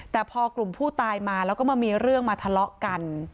แต่พอกลุ่มผู้ตายมาแล้วก็มามีเรื่องมาทะเลาะกัน